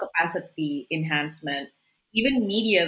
peningkatan bahkan nilai media